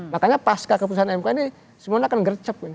makanya pas keputusan mpa ini semua akan gercep